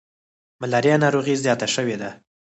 ملاریا ناروغي زیاته شوي ده.